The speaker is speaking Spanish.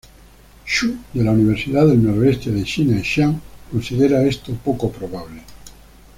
Shu de la Universidad del noroeste de China en Xi'an, considera esto poco probable.